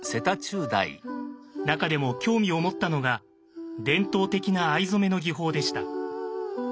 中でも興味を持ったのが伝統的な藍染めの技法でした。